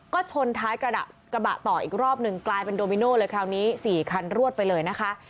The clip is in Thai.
ก็ชนท้ายกระบะต่ออีกรอบหนึ่งกลายเป็นโดมิโน่เลยคราวนี้๔คันรวดไปเลยนะคะ